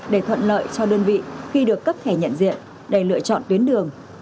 để thuận lợi cho đơn vị khi được cấp thẻ nhận diện để lựa chọn tuyến đường